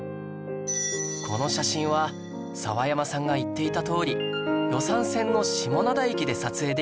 この写真は澤山さんが言っていたとおり予讃線の下灘駅で撮影できるんです